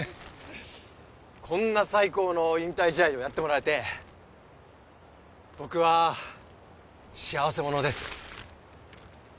こんな最高の引退試合をやってもらえて僕は幸せ者です